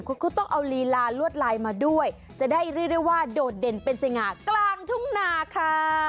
คุณก็ต้องเอาลีลาลวดลายมาด้วยจะได้เรียกได้ว่าโดดเด่นเป็นสง่ากลางทุ่งนาค่ะ